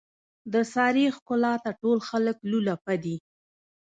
د سارې ښکلاته ټول خلک لولپه دي.